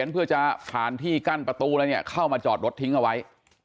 ผ่านที่กั้นประตูแล้วเนี่ยเข้ามาจอดรถทิ้งเอาไว้